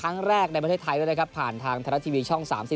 ครั้งแรกในประเทศไทยด้วยนะครับผ่านทางไทยรัฐทีวีช่อง๓๒